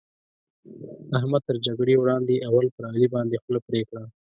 احمد تر جګړې وړاندې؛ اول پر علي باندې خوله پرې کړه.